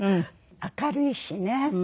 明るいしね。